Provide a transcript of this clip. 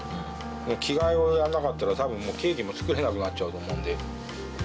着替えをやらなかったら、たぶんもう、ケーキも作れなくなっちゃうと思うんで。